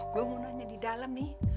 gue mau nanya di dalam nih